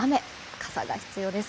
傘が必要です。